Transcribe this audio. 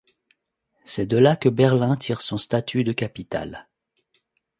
C'est de là que Berlin tire son statut de capitale.